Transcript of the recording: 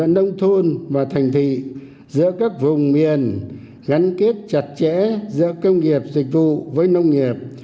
nông thôn và thành thị giữa các vùng miền gắn kết chặt chẽ giữa công nghiệp dịch vụ với nông nghiệp